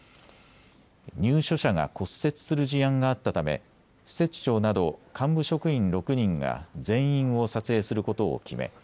入所者が骨折する事案があったため施設長など幹部職員６人が全員を撮影することを決め